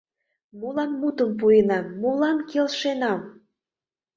Молан мутым пуэнам, молан келшенам?